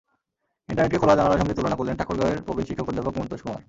ইন্টারনেটকে খোলা জানালার সঙ্গে তুলনা করলেন ঠাকুরগাঁওয়ের প্রবীণ শিক্ষক অধ্যাপক মনতোষ কুমার।